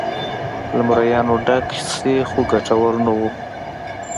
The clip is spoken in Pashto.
له مریانو ډک شي خو ګټور نه و.